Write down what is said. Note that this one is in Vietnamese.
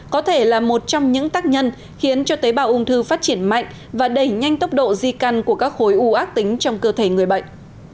có thể là một trong những tác nhân khiến cho tế bào ung thư phát triển mạnh và đẩy nhanh tốc độ di căn của các khối u ác tính trong cơ thể người bệnh